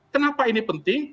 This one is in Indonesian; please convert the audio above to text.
kenapa ini penting